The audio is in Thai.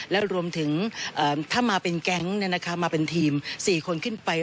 และรวมถึงถ้ามาเป็นแก๊งมาเป็นทีม๔คนขึ้นไป